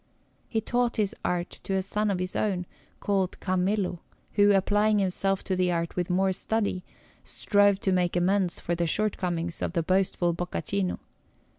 He taught his art to a son of his own, called Camillo, who, applying himself to the art with more study, strove to make amends for the shortcomings of the boastful Boccaccino.